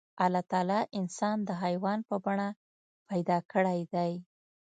الله تعالی انسان د حيوان په بڼه پيدا کړی دی.